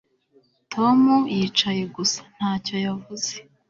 Tom yicaye gusa ntacyo yavuze